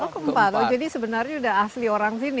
oh keempat jadi sebenarnya udah asli orang sini